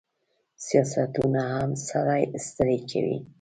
سیاستونه هم سړی ستړی کوي.